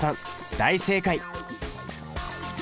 大正解！